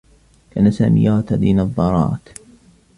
كان سامي يرتدي نظّارات.